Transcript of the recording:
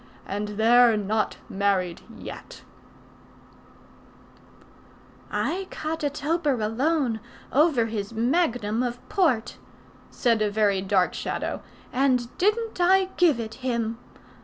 And they're not married yet." "I caught a toper alone, over his magnum of port," said a very dark Shadow; "and didn't I give it him!